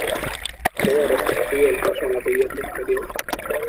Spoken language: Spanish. queda restringido el paso a la cubierta inferior.